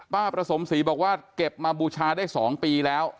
ประสมศรีบอกว่าเก็บมาบูชาได้๒ปีแล้ว